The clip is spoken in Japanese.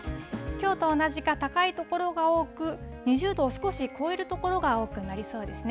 きょうと同じか高い所が多く、２０度を少し超える所が多くなりそうですね。